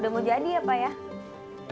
udah mau jadi udah mau jadi udah mau jadi